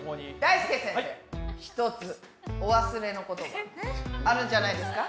ひとつお忘れのことがあるんじゃないですか？